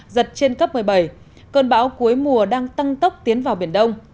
giật trên cấp một mươi bảy cơn bão cuối mùa đang tăng tốc tiến vào biển đông